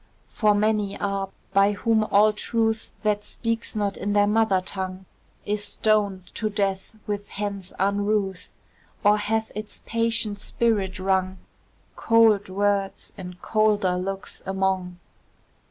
For many are by whom all truth, That speaks not in their mother tongue, Is stoned to death with hands unruth, Or hath its patient spirit wrung Cold words and colder looks among.